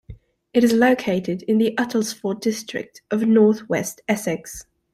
It is located in the Uttlesford district of North West Essex.